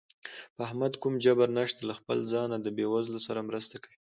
په احمد کوم جبر نشته، له خپله ځانه د بېوزلو سره مرسته کوي.